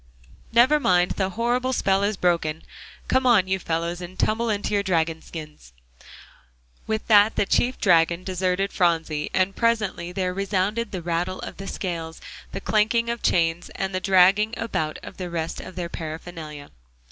"Never mind; the horrible spell is broken; come on, you fellows, and tumble into your dragon skins!" With that the chief dragon deserted Phronsie, and presently there resounded the rattle of the scales, the clanking of chains, and the dragging about of the rest of their paraphernalia.